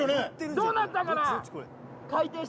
どうなったかな？